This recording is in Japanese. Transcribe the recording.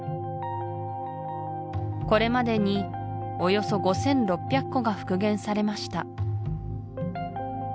これまでにおよそ５６００個が復元されました